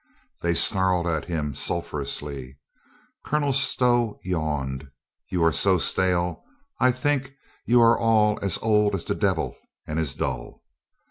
They snarled at him sulphurously. Colonel Stow yawned. "You are so stale. I think you are all as old as the devil and as dull."